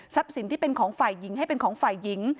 สินที่เป็นของฝ่ายหญิงให้เป็นของฝ่ายหญิง